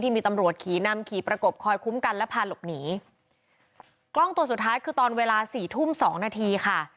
มีตำรวจขี่นำขี่ประกบคอยคุ้มกันและพาหลบหนีกล้องตัวสุดท้ายคือตอนเวลาสี่ทุ่มสองนาทีค่ะ